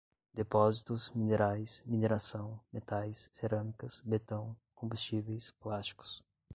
depósitos, minerais, mineração, metais, cerâmicas, betão, combustíveis, plásticos